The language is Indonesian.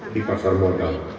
di pasar modal